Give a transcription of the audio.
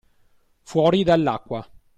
Fuori dall’acqua